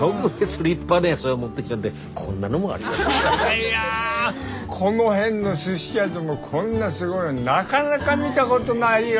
いやこの辺のすし屋でもこんなすごいのなかなか見たことないよ。